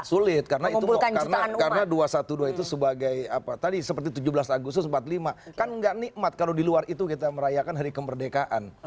sulit karena itu karena dua ratus dua belas itu sebagai apa tadi seperti tujuh belas agustus seribu sembilan ratus empat puluh lima kan nggak nikmat kalau di luar itu kita merayakan hari kemerdekaan